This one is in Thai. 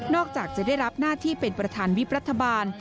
จะได้รับหน้าที่เป็นประธานวิบรัฐบาล